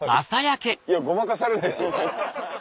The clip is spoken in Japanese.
いやごまかされないですよ。